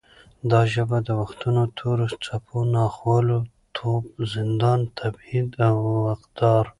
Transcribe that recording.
دا ژبه د وختونو تورو څپو، ناخوالو، توپ، زندان، تبعید او دار